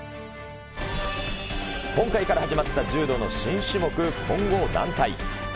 今回から始まった柔道の新種目、混合団体。